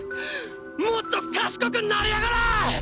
もっと賢くなりやがれ！！